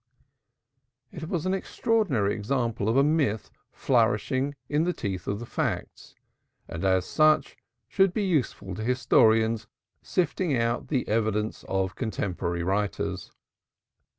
It was an extraordinary example of a myth flourishing in the teeth of the facts, and as such should be useful to historians sifting "the evidence of contemporary writers."